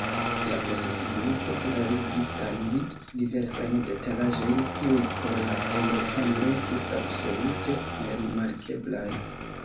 La postesignisto klarigis al li diversajn detalaĵojn, kiuj por la eŭropanoj estis absolute nerimarkeblaj.